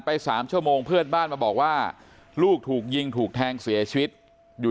๓ชั่วโมงเพื่อนบ้านมาบอกว่าลูกถูกยิงถูกแทงเสียชีวิตอยู่